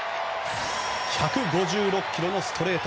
１５６キロのストレート。